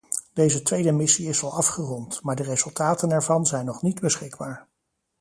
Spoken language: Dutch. Deze tweede missie is al afgerond, maar de resultaten ervan zijn nog niet beschikbaar.